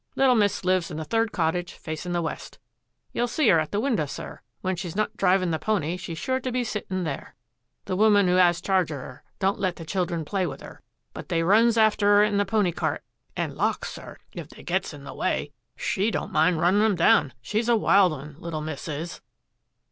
Little miss lives in the third cottage facing the west. You'll see 'er at the window, sir; when she's not drivin' the pony she's sure to be sittin' there. The woman who 'as charge of 'er, don't let the children play with 'er, but they runs after 'er in the pony cart and, lawks, sir, if they gets in the way, she don't mind runnin' 'em down. She's a wild 'un, little miss is."